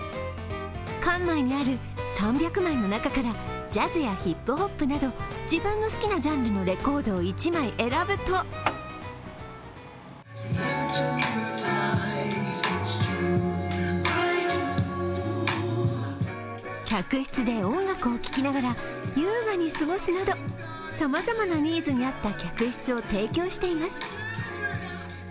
館内にある３００枚の中からジャズやヒップホップなど自分の好きなジャンルのレコードを１枚選ぶと客室で音楽を聴きながら優雅に過ごすなどさまざまなニーズに合った客室を提供しています。